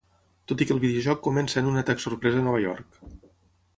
Tot i que el videojoc comença en un atac sorpresa a Nova York.